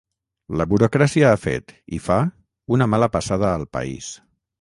La burocràcia ha fet, i fa, una mala passada al país.